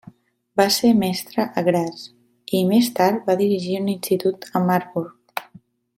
Va ser mestre a Graz i més tard va dirigir un institut a Marburg.